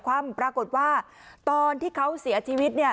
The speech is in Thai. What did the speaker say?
ความปรากฏว่าตอนที่เขาเสียชีวิต